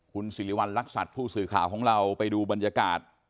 คุณสิริวัณรักษัตริย์ผู้สื่อข่าวของเราไปดูบรรยากาศ